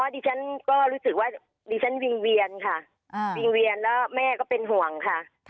ดิฉันก็รู้สึกว่าดิฉันวิ่งเวียนค่ะวิ่งเวียนแล้วแม่ก็เป็นห่วงค่ะ